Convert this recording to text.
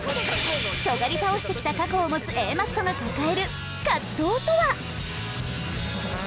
とがり倒してきた過去を持つＡマッソが抱える葛藤とは？